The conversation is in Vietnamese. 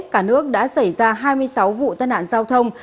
cả nước đã xảy ra hai mươi sáu vụ tai nạn giao thông